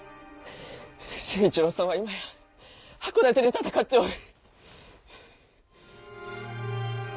成一郎さんは今や箱館で戦っておる。